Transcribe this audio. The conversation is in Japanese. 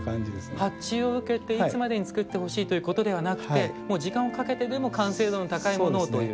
発注を受けていつまでに作ってほしいということではなくて時間をかけてでも完成度の高いものをという。